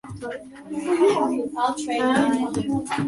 All Drinking Water Topics